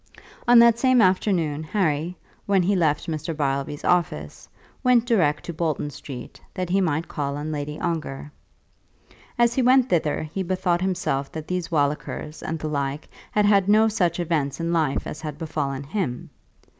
On that same afternoon Harry, when he left Mr. Beilby's office, went direct to Bolton Street, that he might call on Lady Ongar. As he went thither he bethought himself that these Wallikers and the like had had no such events in life as had befallen him!